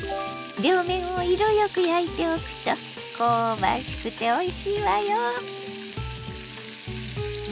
両面を色よく焼いておくと香ばしくておいしいわよ。